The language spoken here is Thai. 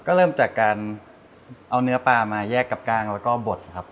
ก็เริ่มจากการเอาเนื้อปลามาแยกกับกล้างแล้วก็บดครับ